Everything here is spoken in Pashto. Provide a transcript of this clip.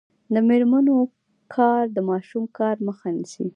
د میرمنو کار د ماشوم کار مخه نیسي.